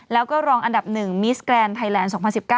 แล้วก็รองอันดับ๑มิสแกรนด์ไทยแลนด์๒๐๑๙